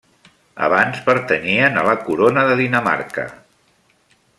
Abans pertanyien a la Corona de Dinamarca.